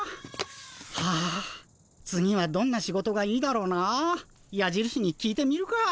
はあ次はどんな仕事がいいだろうな。やじるしに聞いてみるか。